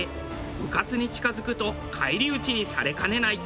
うかつに近付くと返り討ちにされかねない。